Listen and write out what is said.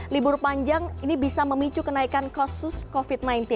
libur panjang ini bisa memicu kenaikan kasus covid sembilan belas